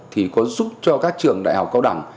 thì có giúp cho các trường đại học cao đẳng